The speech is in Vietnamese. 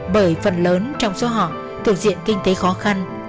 bởi phần lớn trong số họ thuộc diện kinh tế khó khăn